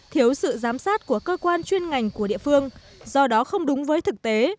thiếu sự giám sát của cơ quan chuyên ngành của địa phương do đó không đúng với thực tế